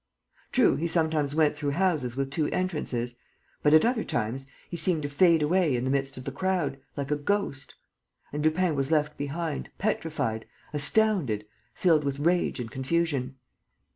True, he sometimes went through houses with two entrances. But, at other times, he seemed to fade away in the midst of the crowd, like a ghost. And Lupin was left behind, petrified, astounded, filled with rage and confusion.